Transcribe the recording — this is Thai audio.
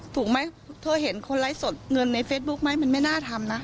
ถูกไหมเธอเห็นคนไลฟ์สดเงินในเฟซบุ๊คไหมมันไม่น่าทำนะ